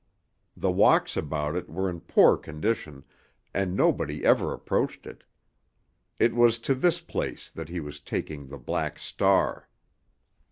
The walks about it were in poor condition, and nobody ever approached it. It was to this place that he was taking the Black Star.